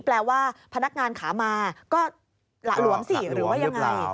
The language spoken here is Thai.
แปลว่าพนักงานขามาก็หละหลวมสิหรือว่ายังไง